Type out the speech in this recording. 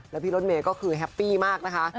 แล้วพี่รถเมย์ก็คือแฮปปี้มากนะคะ